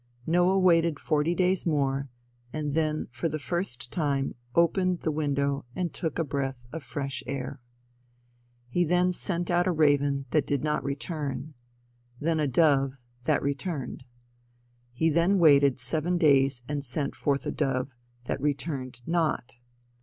Noah waited forty days more, and then for the first time opened the window and took a breath of fresh air. He then sent out a raven that did not return, then a dove that returned. He then waited seven days and sent forth a dove that returned not.